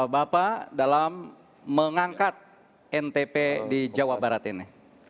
bapak dalam mengangkat ntp di jawa barat ini